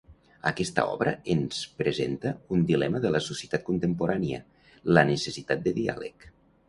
Aquesta obra ens presenta un dilema de la societat contemporània: la necessitat de diàleg.